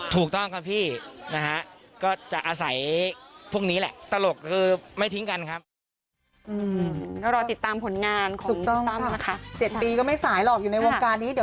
ถูกต้องครับพี่นะฮะก็จะอาศัยพวกนี้แหละตลกคือไม่ทิ้งกันครับ